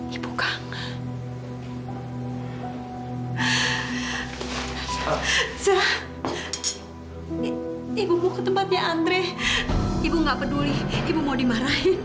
ibu kangen sekali sama dia zah